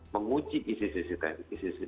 menguji isi cctv